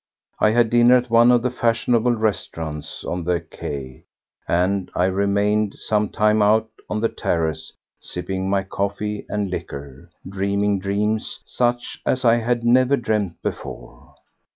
I had dinner at one of the fashionable restaurants on the quay, and I remained some time out on the terrace sipping my coffee and liqueur, dreaming dreams such as I had never dreamed before.